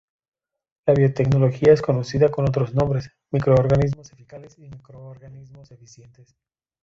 La biotecnología es conocida con otros nombres: Microorganismos Eficaces y Microorganismos Eficientes.